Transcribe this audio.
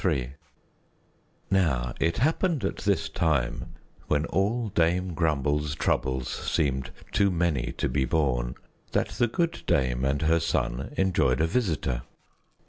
III Now it happened at this time, when all Dame Grumble's troubles seemed too many to be borne, that the good dame and her son enjoyed a visitor.